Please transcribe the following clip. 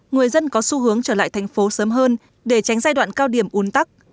người dân có xu hướng trở lại thành phố sớm hơn để tránh giai đoạn cao điểm un tắc